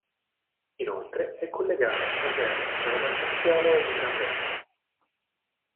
Inoltre è collegata a Sanremo dalla Tangenziale di Sanremo.